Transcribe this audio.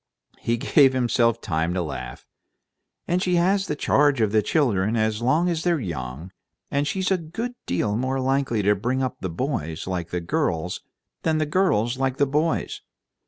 He gave himself time to laugh. "And she has the charge of the children as long as they're young, and she's a good deal more likely to bring up the boys like girls than the girls like boys.